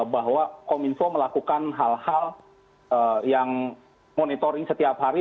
bahwa kominfo melakukan hal hal yang monitoring setiap hari